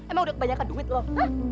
emang udah kebanyakan duit loh